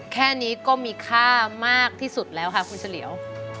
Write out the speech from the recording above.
แค่นี้ก็มีค่ามากที่สุดแล้วค่ะคุณเฉลียว